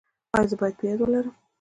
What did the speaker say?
ایا زه باید په یاد ولرم؟